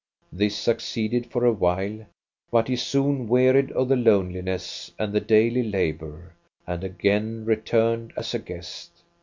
This succeeded for a while, but he soon wearied of the loneliness and the daily labor, and again returned as a guest.